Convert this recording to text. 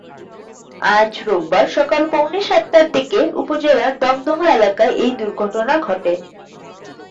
আজ রোববার সকাল পৌনে সাতটার দিকে উপজেলার দমদমা এলাকায় এই দুর্ঘটনা ঘটে।